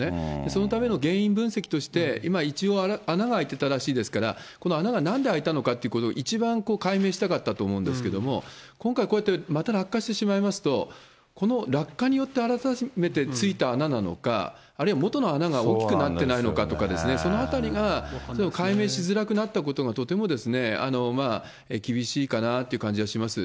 そのための原因分析として、今一応穴が開いてたらしいですから、この穴がなんで開いたのかということを一番解明したかったと思うんですけれども、今回こうやってまた落下してしまいますと、この落下によって改めてついた穴なのか、あるいは元の穴が大きくなってないのかとかですね、そのあたりが解明しづらくなったことがとても厳しいかなという感じはします。